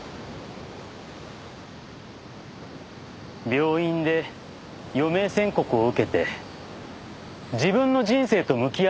病院で余命宣告を受けて自分の人生と向き合いました。